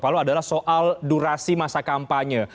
lalu adalah soal durasi masa kampanye